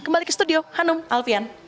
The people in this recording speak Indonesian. kembali ke studio hanum alfian